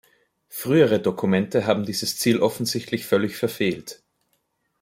Frühere Dokumente haben dieses Ziel offensichtlich völlig verfehlt.